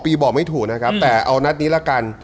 ปีบอกไม่ถูกนะครับแต่เอานัดนี้ละกัน